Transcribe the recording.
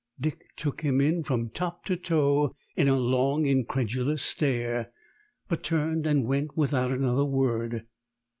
Dick took him in from top to toe, in a long incredulous stare; but turned and went without another word.